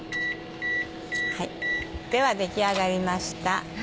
では出来上がりました。